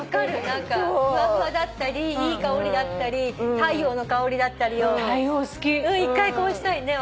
何かふわふわだったりいい香りだったり太陽の香りだったりを一回こうしたいね。